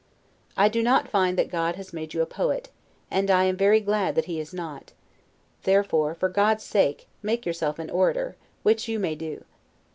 I do not find that God has made you a poet; and I am very glad that he has not: therefore, for God's sake, make yourself an orator, which you may do.